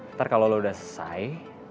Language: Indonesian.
ntar kalo lu udah selesai